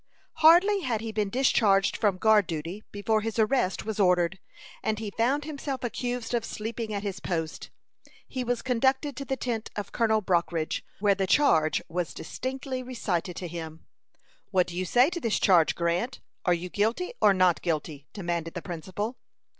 Hardly had he been discharged from guard duty before his arrest was ordered, and he found himself accused of sleeping at his post. He was conducted to the tent of Colonel Brockridge, where the charge was distinctly recited to him. "What do you say to this charge, Grant? Are you guilty or not guilty?" demanded the principal.